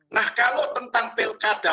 nah kalau tentang pilkada